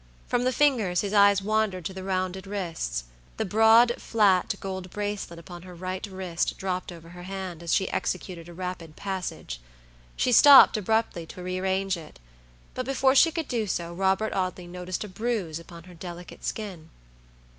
From the fingers his eyes wandered to the rounded wrists: the broad, flat, gold bracelet upon her right wrist dropped over her hand, as she executed a rapid passage. She stopped abruptly to rearrange it; but before she could do so Robert Audley noticed a bruise upon her delicate skin.